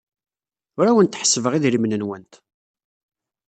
Ur awent-ḥessbeɣ idrimen-nwent.